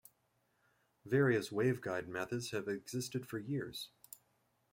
Various waveguide methods have existed for years.